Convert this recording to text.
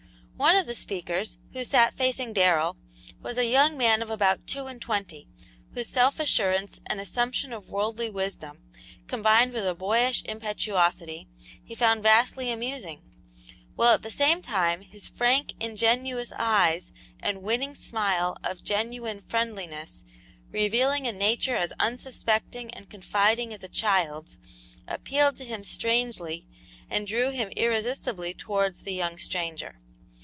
One of the speakers, who sat facing Darrell, was a young man of about two and twenty, whose self assurance and assumption of worldly wisdom, combined with a boyish impetuosity, he found vastly amusing, while at the same time his frank, ingenuous eyes and winning smile of genuine friendliness, revealing a nature as unsuspecting and confiding as a child's, appealed to him strangely and drew him irresistibly towards the young stranger.